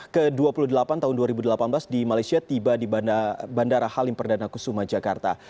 ke dua puluh delapan tahun dua ribu delapan belas di malaysia tiba di bandara halim perdana kusuma jakarta